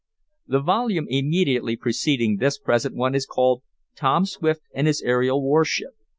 The volume immediately preceding this present one is called: "Tom Swift and His Aerial Warship."